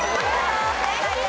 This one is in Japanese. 正解です。